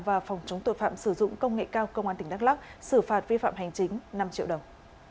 và phòng chống tội phạm sử dụng công nghệ cao công an tỉnh đắk lắc xử phạt vi phạm hành chính năm triệu đồng